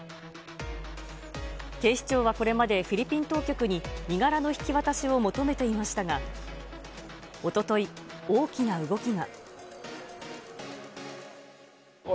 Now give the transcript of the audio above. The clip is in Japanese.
警視庁はこれまでフィリピン当局に身柄の引き渡しを求めていましたが、おととい、大きな動きが。